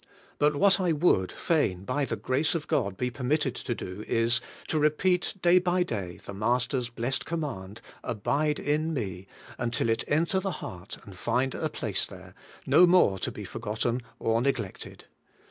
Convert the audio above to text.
But what I would fain by the grace of God be permitted to do is, to repeat day by day the Master's blessed command, 'Abide in me,' until it enter the heart and find a place there, no more to be 2 18 ABIDE IN CHRIST: forgotten or neglected.